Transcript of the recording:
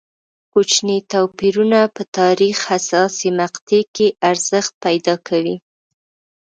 کوچني توپیرونه په تاریخ حساسې مقطعې کې ارزښت پیدا کوي.